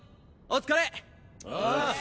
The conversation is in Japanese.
お疲れ！